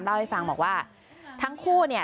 เล่าให้ฟังบอกว่าทั้งคู่เนี่ย